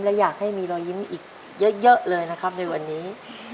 และอยากให้มีรอยยิ้มอีกเยอะเลยนะครับในวันนี้